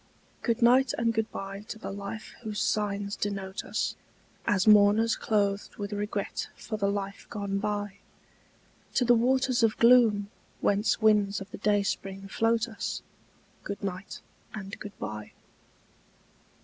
GOODNIGHT and goodbye to the life whose signs denote us As mourners clothed with regret for the life gone by; To the waters of gloom whence winds of the dayspring float us Goodnight and goodbye.